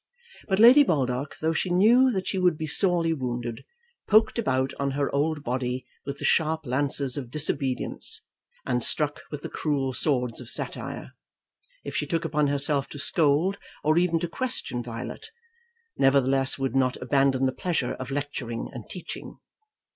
But Lady Baldock, though she knew that she would be sorely wounded, poked about on her old body with the sharp lances of disobedience, and struck with the cruel swords of satire, if she took upon herself to scold or even to question Violet, nevertheless would not abandon the pleasure of lecturing and teaching.